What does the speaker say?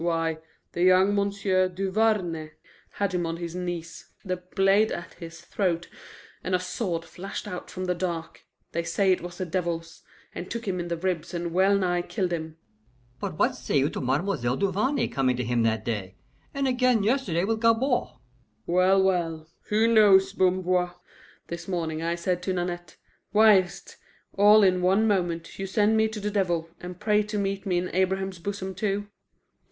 Why, the young M'sieu' Duvarney had him on his knees, the blade at his throat, and a sword flashed out from the dark they say it was the devil's and took him in the ribs and well nigh killed him." "But what say you to Ma'm'selle Duvarney coming to him that day, and again yesterday with Gabord?" "Well, well, who knows, Bamboir? This morning I said to Nanette, 'Why is't, all in one moment, you send me to the devil, and pray to meet me in Abraham's bosom too?